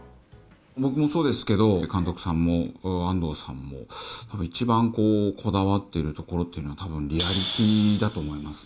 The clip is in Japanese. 僕もそうですけど、監督さんも安藤さんも、一番こだわっているところというのは、たぶん、リアリティーだと思いますね。